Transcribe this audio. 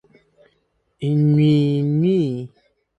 Nnwiinwii.